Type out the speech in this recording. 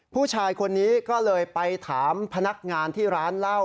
ผู้ชายคนนี้ก็เลยไปถามพนักงานที่ร้านเหล้า